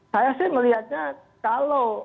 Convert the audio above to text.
saya sih melihatnya kalau